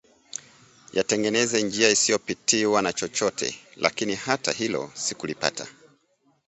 Yatengeneze njia isiyopitwa na chochote, lakini hata hilo sikulipata